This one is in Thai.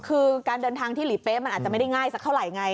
คือการเดินทางที่หลีเป๊ะมันอาจจะไม่ได้ง่ายสักเท่าไหร่ไง